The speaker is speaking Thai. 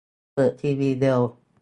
เปิดทีวีเร็ว